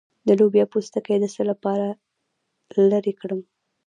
د لوبیا پوستکی د څه لپاره لرې کړم؟